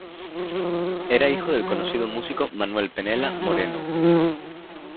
Era hijo del conocido músico Manuel Penella Moreno.